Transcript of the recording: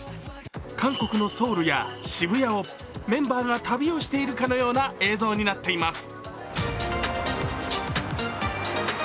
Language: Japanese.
韓国のソウルや渋谷をメンバーが旅をしているかのような映像になっています。